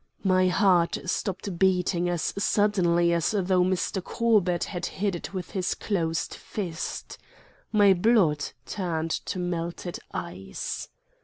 My heart stopped beating as suddenly as though Mr. Corbett had hit it with his closed fist. My blood turned to melted ice.